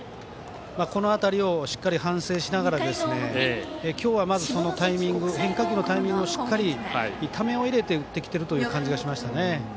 この辺りをしっかり反省しながら今日はまず変化球のタイミングをしっかりためを入れて打ってきてるという感じがしましたね。